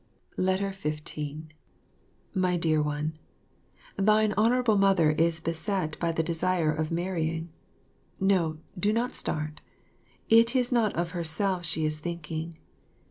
15 My Dear One, Thine Honourable Mother is beset by the desire or marrying. No, do not start; it is not or herself she is thinking.